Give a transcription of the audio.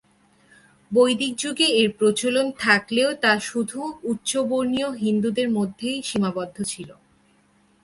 বৈদিক যুগে এর প্রচলন থাকলেও তা শুধু উচ্চবর্ণীয় হিন্দুদের মধ্যেই সীমাবদ্ধ ছিলো।